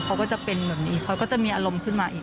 เขาก็จะเป็นแบบนี้เขาก็จะมีอารมณ์ขึ้นมาอีก